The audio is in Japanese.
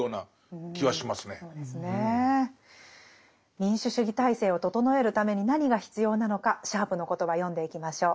民主主義体制を整えるために何が必要なのかシャープの言葉読んでいきましょう。